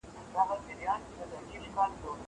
هغه وويل چي قلم ضروري دی!!